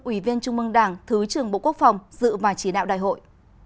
ủy viên trung mương đảng thứ trưởng bộ quốc phòng dự và chỉ đạo đại hội